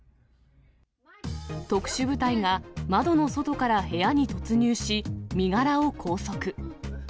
特殊部隊が窓の外から部屋に突入し、身柄を拘束。